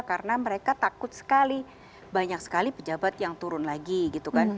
karena mereka takut sekali banyak sekali pejabat yang turun lagi gitu kan